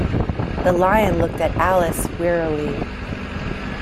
The Lion looked at Alice wearily.